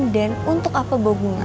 dan untuk apa bohongan